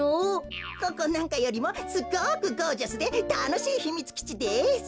ここなんかよりもすごくゴージャスでたのしいひみつきちです。